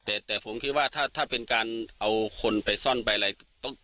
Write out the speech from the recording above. แต่ผมคิดว่าถ้าเป็นการเอาคนไปซ่อนไปอะไร